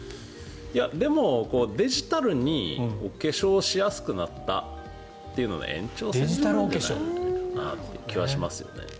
でも、デジタルにお化粧をしやすくなったというのの延長線上のような気がしますね。